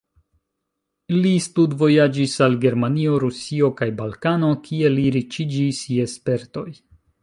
Li studvojaĝis al Germanio, Rusio kaj Balkano, kie li riĉiĝis je spertoj.